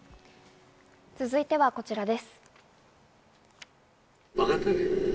続いてはこちらです。